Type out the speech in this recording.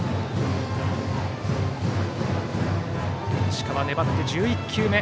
石川、粘って１１球目。